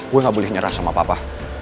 gue gak boleh nyerah sama papa